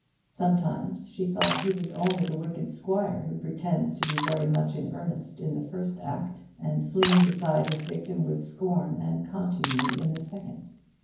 Sometimes she thought he was only the wicked squire who pretends to be very much in earnest in the first act, and flings aside his victim with scorn and contumely in the second.